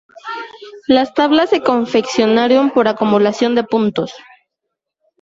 La tablas se confeccionaron por acumulación de puntos.